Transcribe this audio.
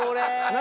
何？